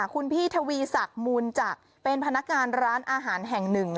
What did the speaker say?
คุณพี่ทวีศักดิ์มูลจักรเป็นพนักงานร้านอาหารแห่งหนึ่ง